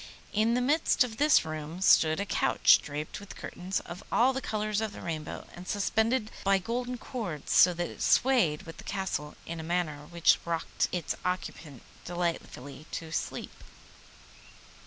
In the midst of this room stood a couch, draped with curtains of all the colours of the rainbow, and suspended by golden cords so that it swayed with the Castle in a manner which rocked its occupant delightfully to sleep.